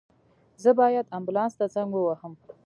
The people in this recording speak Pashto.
زه باید آنبولاس ته زنګ ووهم